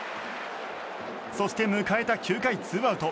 そして迎えた９回、ツーアウト。